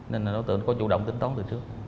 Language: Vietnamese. nên là đối tượng có chủ động tính toán từ trước